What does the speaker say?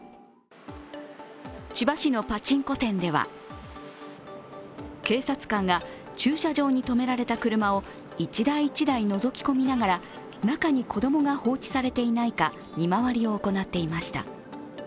千葉市のパチンコ店では警察官が駐車場に止められた車を１台１台のぞき込みながら中に子供が放置されていないか見回りを行っていました。